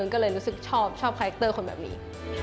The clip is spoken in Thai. ก็เลยรู้สึกชอบคาแคคเตอร์คนแบบนี้